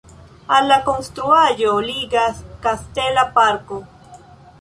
Al la konstruaĵo ligas kastela parko.